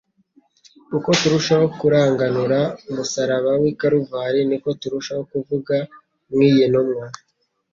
Uko turushaho kuranganura umusaraba w’i Karuvali niko turushaho kuvugank'iyi ntumwa